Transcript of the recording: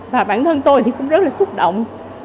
và bản thân tôi thì cũng rất là xúc động